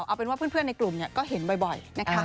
เอาเป็นว่าเพื่อนในกลุ่มก็เห็นบ่อยนะคะ